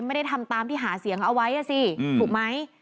ไม่ได้ทำตามที่หาเสียงเอาไว้อ่ะสิถูกไหม